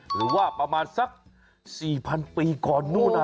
หรือว่าประมาณสัก๔๐๐๐ปีก่อนนู่น